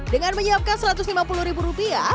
dengan menyiapkan satu ratus lima puluh ribu rupiah